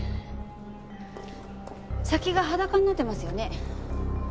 先が裸になってますよね。